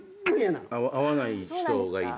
合わない人がいる？